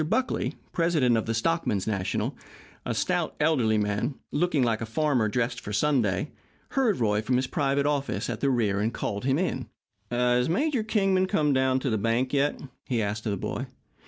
Buckley, president of the Stockmen's National a stout, elderly man, looking like a farmer dressed for Sunday heard Roy from his private office at the rear and called him. "Has Major Kingman come down to the bank yet?" he asked of the boy.